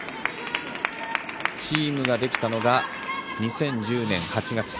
チームができたのが２０１０年８月。